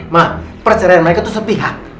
ma perceraian mereka tuh sepihak